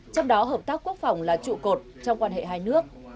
trong đó hợp tác quốc phòng là trụ cột trong quan hệ hai nước